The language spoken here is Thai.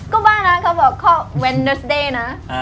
ก็บ้านะเขาบอกคลอดเวนเดอร์สเดย์นะ